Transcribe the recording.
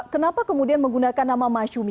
kenapa kemudian menggunakan nama masyumi